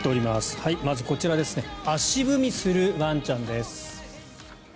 まずはこちらです。